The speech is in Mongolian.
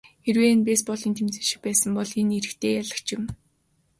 Хэрвээ энэ бейсболын тэмцээн шиг байсан бол энэ эрэгтэй ялагдагч юм.